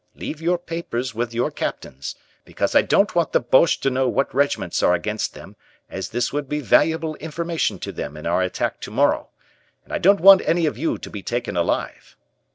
leave your papers with your captains, because I don't want the Boches to know what regiments are against them as this would be valuable information to them in our attack to morrow and I don't want any of you to be taken alive.